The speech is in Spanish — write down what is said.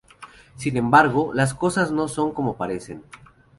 Sin embargo, las cosas no son como parecen.